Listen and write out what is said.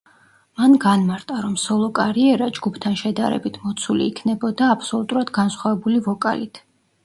მან განმარტა, რომ სოლო კარიერა, ჯგუფთან შედარებით, მოცული იქნებოდა აბსოლუტურად განსხვავებული ვოკალით.